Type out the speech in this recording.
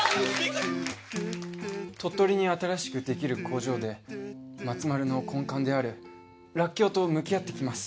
鳥取に新しくできる工場でまつまるの根幹であるらっきょうと向き合ってきます。